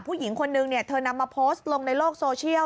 ผู้หญิงคนนึงเธอนำมาโพสต์ลงในโลกโซเชียล